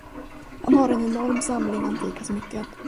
Han har en enorm samling antika smycken.